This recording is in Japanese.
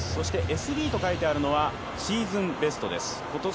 ＳＢと書いてあるのはシーズンベストです。